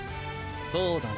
そうだな。